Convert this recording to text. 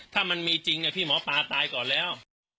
ถ้ามันมีจริงพี่หมอปลาตายก่อนแล้ว